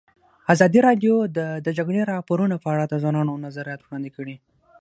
ازادي راډیو د د جګړې راپورونه په اړه د ځوانانو نظریات وړاندې کړي.